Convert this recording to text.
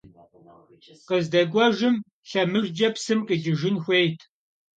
КъыздэкӀуэжым лъэмыжкӀэ псым къикӀыжын хуейт.